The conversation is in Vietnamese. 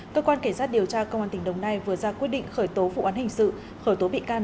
cơ quan kể sát điều tra công an tỉnh đồng nai vừa ra quyết định khởi tố vụ án hình sự khởi tố bị can